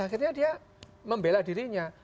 akhirnya dia membela dirinya